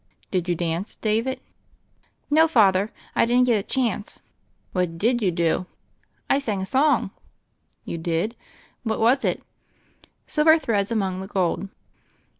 "Did you dance, David?" "No, Father, I didn't get a chance. "What Ji J you do?" "I sang a song." "You did? What was it?" "Silver Threads Among the Gold."